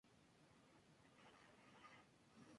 De hecho ella no era ni francesa ni una princesa.